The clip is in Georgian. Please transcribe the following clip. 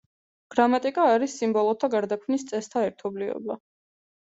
გრამატიკა არის სიმბოლოთა გარდაქმნის წესთა ერთობლიობა.